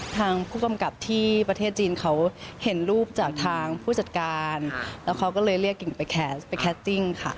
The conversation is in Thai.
ทางผู้กำกับที่ประเทศจีนเขาเห็นรูปจากทางผู้จัดการแล้วเขาก็เลยเรียกกิ่งไปแคสติ้งค่ะ